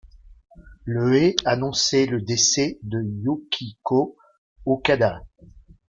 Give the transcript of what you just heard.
Le est annoncé le décès de Yukiko Okada.